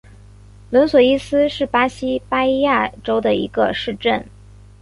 伦索伊斯是巴西巴伊亚州的一个市镇。